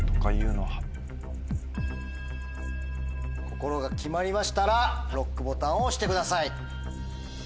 心が決まりましたらＬＯＣＫボタンを押してください。